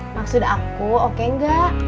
maksud aku oke nggak